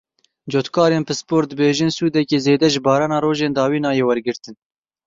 Cotkarên pispor dibêjin sûdeke zêde ji barana rojên dawî nayê wergirtin.